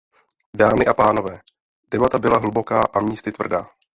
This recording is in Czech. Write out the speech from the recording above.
Dámy a pánové, debata byla hluboká a místy tvrdá.